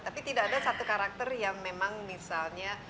tapi tidak ada satu karakter yang memang misalnya